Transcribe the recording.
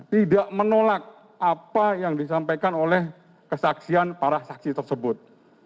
tidak menolak apa yang disampaikan oleh kesaksian para saksi tersebut